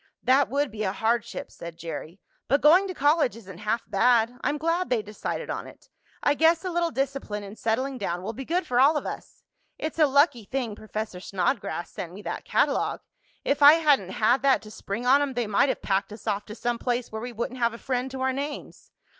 "That would be a hardship," said Jerry. "But going to college isn't half bad. I'm glad they decided on it. I guess a little discipline and settling down will be good for all of us. It's a lucky thing Professor Snodgrass sent me that catalogue. If I hadn't had that to spring on 'em they might have packed us off to some place where we wouldn't have a friend to our names."